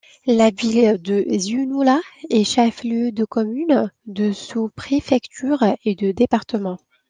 La ville de Zuénoula est chef-lieu de commune, de sous-préfecture et de département.